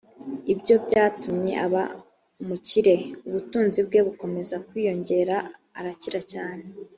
ibyo byatumye aba umukire; ubutunzi bwe bukomeza kwiyongera arakira cyane